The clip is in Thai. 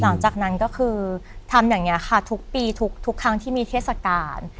หลังจากนั้นก็คือทำอย่างนี้ค่ะทุกปีทุกครั้งที่มีเทศกาล